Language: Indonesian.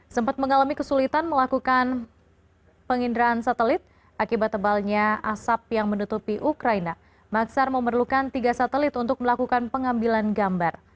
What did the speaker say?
sempat mengalami kesulitan melakukan penginderaan satelit akibat tebalnya asap yang menutupi ukraina maksar memerlukan tiga satelit untuk melakukan pengambilan gambar